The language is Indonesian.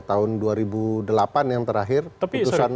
tahun dua ribu delapan yang terakhir putusan